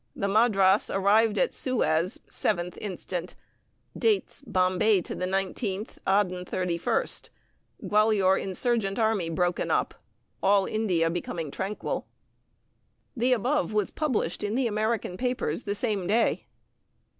The Madras arrived at Suez 7th inst. Dates Bombay to the 19th, Aden 31st. Gwalior insurgent army broken up. All India becoming tranquil. The above was published in the American papers the same day.